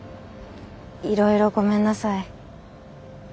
いろいろごめんなさい。